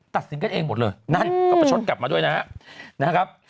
ตัดสินกันเองหมดเลยนั่นก็ประชดกลับมาด้วยนะครับ